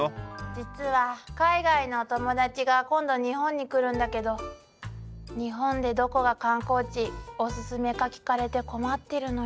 実は海外の友達が今度日本に来るんだけど日本でどこが観光地おすすめか聞かれて困ってるのよ。